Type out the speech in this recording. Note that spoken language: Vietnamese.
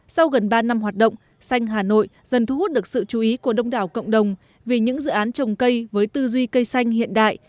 sau gần ba năm hoạt động xanh hà nội dần thu hút được sự chú ý của đông đảo cộng đồng vì những dự án trồng cây với tư duy cây xanh hiện đại